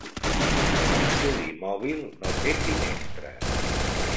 L'estudi mòbil no té finestres.